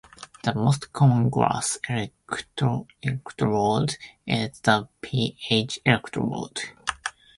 The most common glass electrode is the pH-electrode.